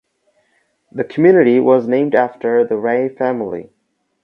The community was named after the Ray family.